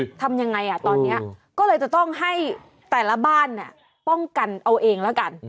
ทำยังไงอ่ะตอนเนี้ยก็เลยจะต้องให้แต่ละบ้านเนี่ยป้องกันเอาเองแล้วกัน